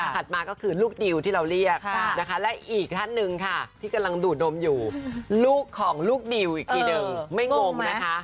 มาก็คือลูกดิวที่เราเรียกนะคะและอีกท่านหนึ่งค่ะที่กำลังดูดนมอยู่ลูกของลูกดิวอีกทีหนึ่งไม่งงนะคะ